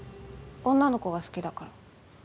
女の子が好きだから。